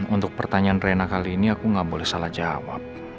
untuk pertanyaan rena kali ini aku nggak boleh salah jawab